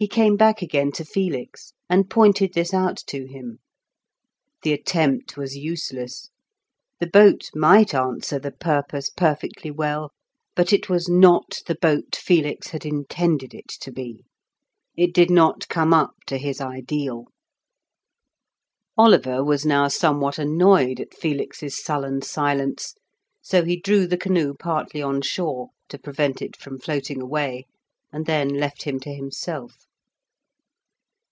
He came back again to Felix, and pointed this out to him. The attempt was useless; the boat might answer the purpose perfectly well, but it was not the boat Felix had intended it to be. It did not come up to his ideal. Oliver was now somewhat annoyed at Felix's sullen silence, so he drew the canoe partly on shore, to prevent it from floating away, and then left him to himself.